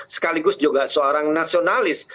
sekaligus juga seorang nasionalis